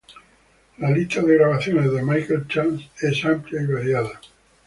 La lista de grabaciones de Michael Chance es amplia y variada.